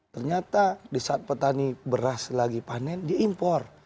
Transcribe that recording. ternyata disaat petani beras lagi panen diimpor